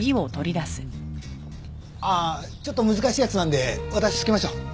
ああちょっと難しいやつなんで私つけましょう。